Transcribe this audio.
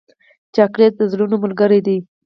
چاکلېټ د زړونو ملګری دی.